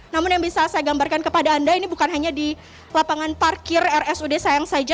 namun yang bisa saya gambarkan kepada anda ini bukan hanya di lapangan parkir rsud sayang saja